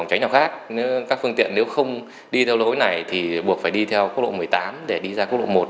các phương tiện đi theo lối này thì buộc phải đi theo cốt lộ một mươi tám để đi ra cốt lộ một